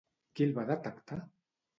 Qui el va detectar?